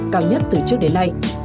cao nhất từ trước đến nay